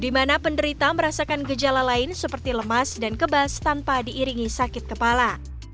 di mana penderita merasakan gejala lain seperti lemas dan kebas tanpa diiringi sakit kepala